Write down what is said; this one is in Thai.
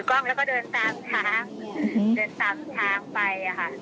ก็ไปเห็นผู้หญิงถือกล้องแล้วก็เดินตามช้างไปค่ะ